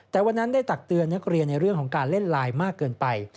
แต่วันนั้นได้ตักเตือนนักเรียนในเรื่องของการเล่นไลน์มากเกินไป